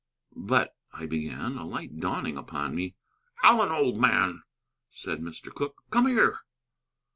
"But," I began, a light dawning upon me. "Allen, old man," said Mr. Cooke, "come here."